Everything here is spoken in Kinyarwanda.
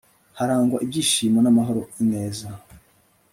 harangwa ibyishimo n'amahoro ineza